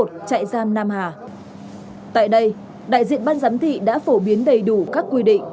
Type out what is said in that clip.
trại giam nam hà tại đây đại diện ban giám thị đã phổ biến đầy đủ các quy định